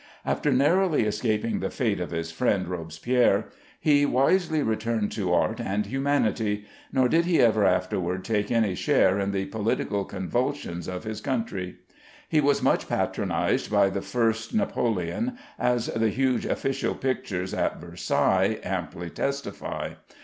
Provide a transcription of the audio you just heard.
After narrowly escaping the fate of his friend Robespierre, he wisely returned to art and humanity; nor did he ever afterward take any share in the political convulsions of his country. He was much patronized by the first Napoleon, as the huge official pictures at Versailles amply testify.